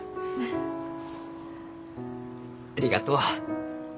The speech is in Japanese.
ありがとう。